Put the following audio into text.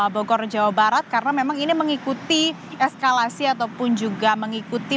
bogor jawa barat karena memang ini mengikuti eskalasi ataupun juga mengikuti